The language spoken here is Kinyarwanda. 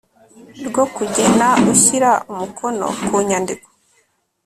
rwo kugena ushyira umukono ku nyandiko